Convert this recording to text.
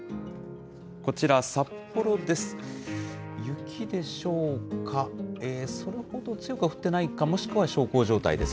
こちら、札幌です。